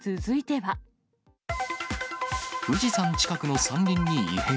富士山近くの山林に異変。